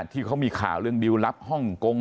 ที่เขามีข่าวเรื่องดิวลลับฮ่องกง